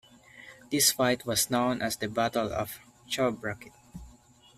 This fight was known as The Battle of Chobrakit.